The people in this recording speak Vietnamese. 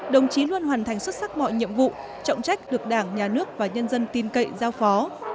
đồng chí luôn hoàn thành xuất sắc mọi nhiệm vụ trọng trách được đảng nhà nước và nhân dân tin cậy giao phó